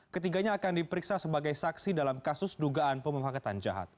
ketiganya akan diperiksa sebagai saksi dalam kasus dugaan pemufakatan jahat